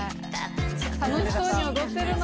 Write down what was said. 楽しそうに踊ってるな。